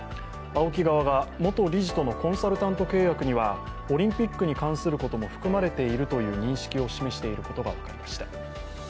ＡＯＫＩ側が元理事とのコンサルタント契約にはオリンピックに関することも含まれているという認識を示していることが分かりました。